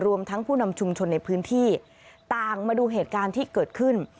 ทั้งผู้นำชุมชนในพื้นที่ต่างมาดูเหตุการณ์ที่เกิดขึ้น